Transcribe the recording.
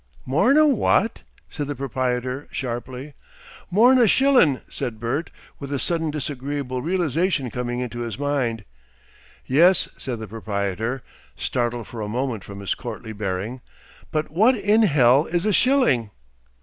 "Mor'n a WHAT?" said the proprietor, sharply. "Mor'n a shillin'," said Bert, with a sudden disagreeable realisation coming into his mind. "Yes," said the proprietor, startled for a moment from his courtly bearing. "But what in hell is a shilling?"